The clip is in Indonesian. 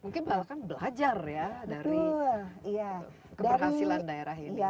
mungkin bahkan belajar ya dari keberhasilan daerah ini